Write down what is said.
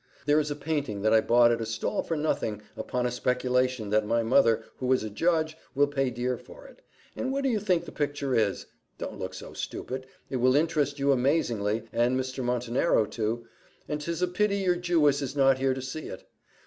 There is a painting that I bought at a stall for nothing, upon a speculation that my mother, who is a judge, will pay dear for; and what do you think the picture is? Don't look so stupid it will interest you amazingly, and Mr. Montenero too, and 'tis a pity your Jewess is not here to see it.